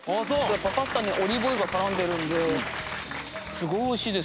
パスタにオリーブオイルが絡んでるのですごい美味しいです。